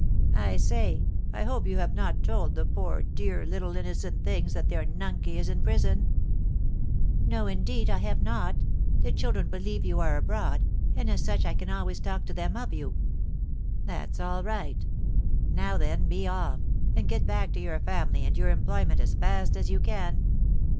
I say I hope you have not told the poor, dear, little innocent things that their 'nunky' is in prison?" "No, indeed, I have not; the children believe you are abroad, and as such I can always talk to them of you." "That's all right. Now then, be off, and get back to your family and your employment as fast as you can."